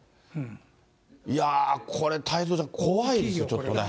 いやー、これ、太蔵ちゃん、怖いですよ、ちょっとね。